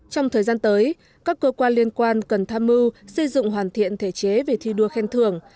trong thời gian tới các cơ quan liên quan cần tham mưu xây dựng hoàn thiện thể chế về thi đua khen thưởng